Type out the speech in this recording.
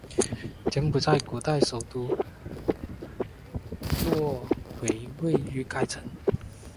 柬埔寨古代首都洛韦位于该城。